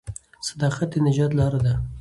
صداقت د نجات لار ده.